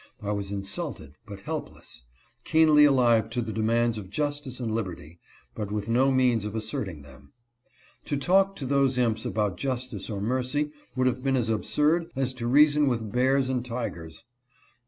I was insulted, but helpless ; keenly alive to the demands of justice and liberty, but with no means of asserting them. To talk to those imps about justice or mercy would have been as absurd as to reason with bears and tigers.